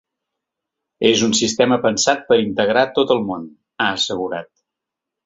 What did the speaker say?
És un sistema pensat per integrar tot el món, ha assegurat.